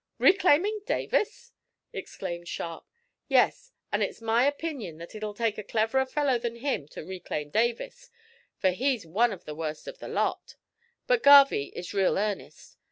"Reclaiming Davis!" exclaimed Sharp. "Yes, an' it's my opinion that it'll take a cleverer fellow than him to reclaim Davis, for he's one of the worst of the lot; but Garvie is real earnest.